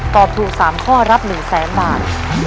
ตอบถูก๓ข้อรับ๑แสนบาท